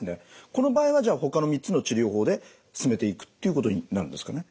この場合はじゃあほかの３つの治療法で進めていくっていうことになるんですかね？